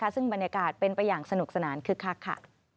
ซึ่งบรรยากาศเป็นไปอย่างสนุกสนานคึกคักค่ะ